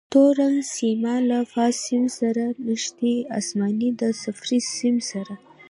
تور رنګ سیمان له فاز سیم سره نښتي، اسماني د صفري سیم سره.